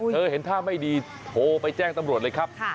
เห็นท่าไม่ดีโทรไปแจ้งตำรวจเลยครับ